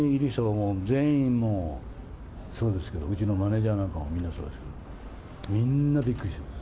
もう、全員もう、そうですけど、うちのマネージャーなんかもみんなそうですけど、みんなびっくりしてます。